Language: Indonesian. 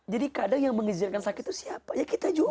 kadang yang mengizinkan sakit itu siapa ya kita jual